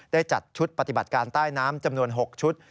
ได้จัดชุดปฏิบัติการใต้น้ำจำนวน๖ชุด